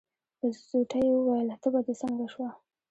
په زوټه يې وويل: تبه دې څنګه شوه؟